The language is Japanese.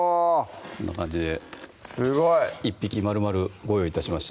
こんな感じですごい１匹まるまるご用意致しました